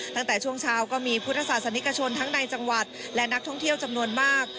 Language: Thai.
ตั้งแต่ช่วงเช้าก็มีพุทธศาสนิกชนทั้งในจังหวัดและนักท่องเที่ยวจำนวนมาก